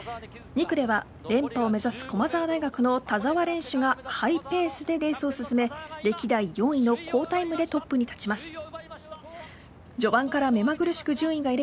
２区では連覇を目指す駒澤大学の田澤廉選手がハイペースでレースを進め歴代４位の好タイムでトップに立ちます。